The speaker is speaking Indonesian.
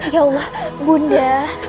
ya allah bunda